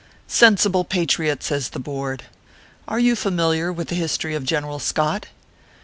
"Sensible patriot," says the Board. "Are you familiar with the history of General Scott